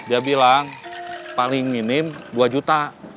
tiga juta dia bilang paling minim tiga juta